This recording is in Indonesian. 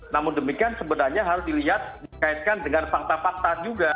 namun demikian sebenarnya harus dilihat dikaitkan dengan fakta fakta juga